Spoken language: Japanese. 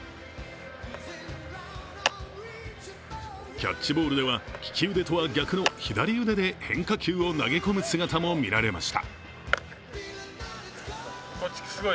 キャッチボールでは利き腕とは逆の左腕で変化球を投げ込む姿も見られました。